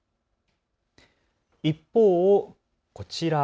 一方、こちら。